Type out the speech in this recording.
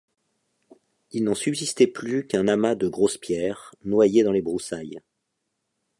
Il n'en subsistait plus qu'un amas de grosses pierres, noyées dans les broussailles.